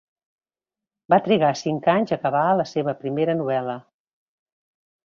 Va trigar cinc anys a acabar la seva primera novel·la.